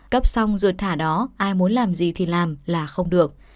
cấp xong ruột thả đó ai muốn làm gì thì làm là không được